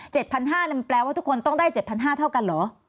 พันห้ามันแปลว่าทุกคนต้องได้เจ็ดพันห้าเท่ากันเหรอ